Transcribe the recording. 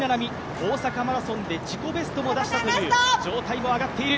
大阪マラソンで自己ベストも出したという状態も上がっている。